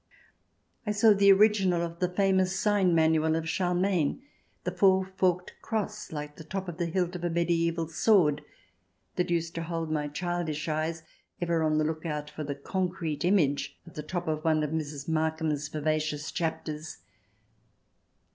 I saw the original of the famous sign manual of Charlemagne, the four forked cross like the top of the hilt of a medieval sword that used to hold my childish eyes, ever on the lookout for the concrete image, at the top of one of Mrs. Markham's vivacious chapters.